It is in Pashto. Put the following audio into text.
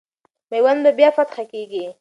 میوند به بیا فتح کېږي.